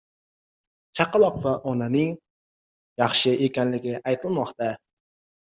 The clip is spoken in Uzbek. Chaqaloq va onaning ahvoli yaxshi ekani aytilmoqda